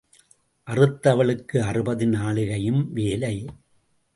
அறுத்தவளுக்கு அறுபது நாழிகையும் வேலை.